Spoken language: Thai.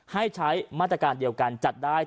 ให้ใช้มาตรการเดียวกันจัดได้